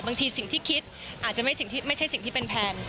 บางทีสิ่งที่คิดอาจจะไม่ใช่สิ่งที่เป็นแพลน